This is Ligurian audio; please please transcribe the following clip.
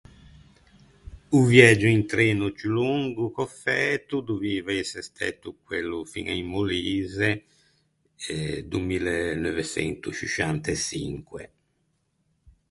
O viægio in treno ciù longo ch’ò fæto dovieiva ëse stæto quello fin à in Molise, do mille neuveçento sciusciant’e çinque.